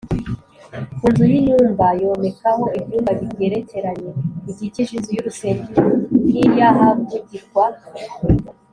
Ku nzu y’inyumba yomekaho ibyumba bigerekeranye bikikije inzu y’urusengero n’iy’ahavugirwa